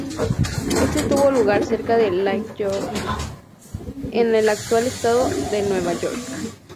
Este tuvo lugar cerca de Lake George, en el actual estado de Nueva York.